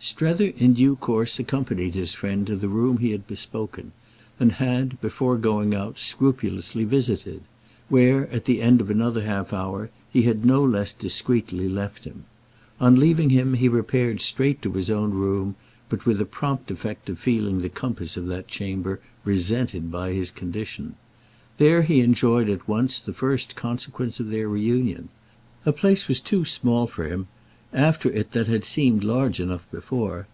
Strether in due course accompanied his friend to the room he had bespoken and had, before going out, scrupulously visited; where at the end of another half hour he had no less discreetly left him. On leaving him he repaired straight to his own room, but with the prompt effect of feeling the compass of that chamber resented by his condition. There he enjoyed at once the first consequence of their reunion. A place was too small for him after it that had seemed large enough before.